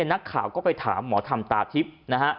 นักข่าวก็ไปถามหมอทำตาทิพย์